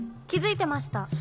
きづいてました。